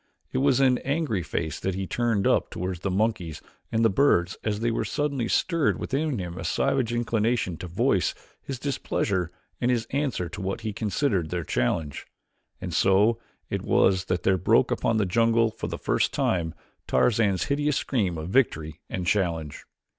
It was an angry face that he turned up toward the monkeys and the birds as there suddenly stirred within him a savage inclination to voice his displeasure and his answer to what he considered their challenge. And so it was that there broke upon this jungle for the first time Tarzan's hideous scream of victory and challenge.